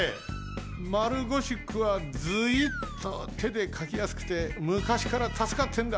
丸ゴシックはずいっとてでかきやすくてむかしからたすかってんだ。